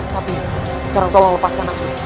tapi sekarang tolong lepaskan aku